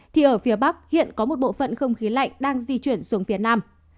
thì ở phía bắc hiện có một bộ phận không khí lạnh đang di chuyển xuống phía nam